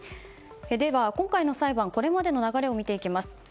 では、今回の裁判これまでの流れを見ていきます。